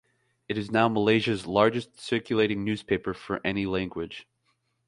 It is now Malaysia's largest circulating newspaper for any language.